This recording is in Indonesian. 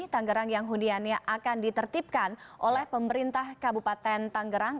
tanggerang yang hundianya akan ditertipkan oleh pemerintah kabupaten tanggerang